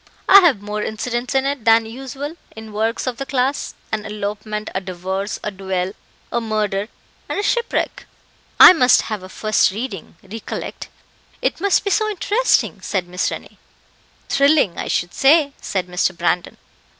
I have more incidents in it than usual in works of the class an elopement, a divorce, a duel, a murder, and a shipwreck." "I must have a first reading, recollect. It must be so interesting," said Miss Rennie. "Thrilling, I should say," said Mr. Brandon.